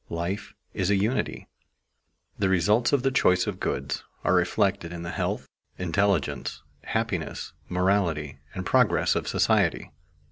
Life is a unity. The results of the choice of goods are reflected in the health, intelligence, happiness, morality, and progress of society.